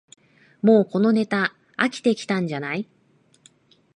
もうこのネタ飽きてきたんじゃない